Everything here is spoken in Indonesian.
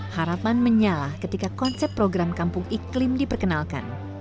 harapan menyala ketika konsep program kampung iklim diperkenalkan